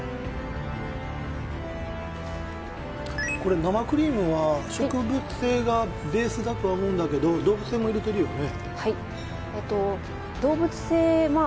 これ生クリームは植物性がベースだと思うんだけど動物性も入れてるよね？